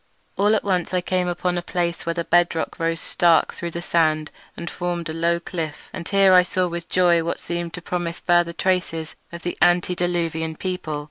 All at once I came upon a place where the bed rock rose stark through the sand and formed a low cliff; and here I saw with joy what seemed to promise further traces of the antediluvian people.